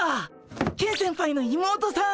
ケン先輩の妹さん！